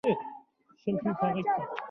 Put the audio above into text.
نه ختیځ نه لویدیځ یوازې اسلام او یوازې افغان